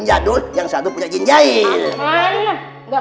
nah carry sake akan berhentiin sana